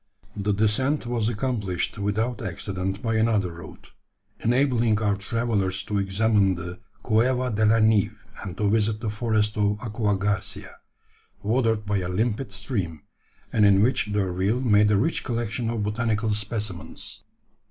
The descent was accomplished without accident by another route, enabling our travellers to examine the Cueva de la Nieve, and to visit the forest of Aqua Garcia, watered by a limpid stream, and in which D'Urville made a rich collection of botanical specimens.